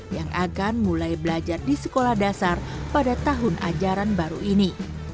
yang akan mulai belajar di sekolah dasar pada tahun ajaran baru ini